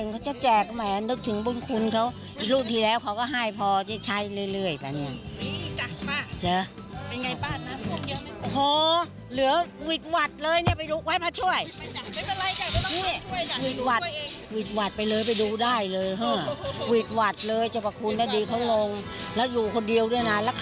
ก็คือไวดวัดไปเลยไปดูได้เลย